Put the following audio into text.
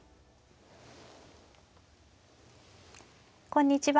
こんにちは。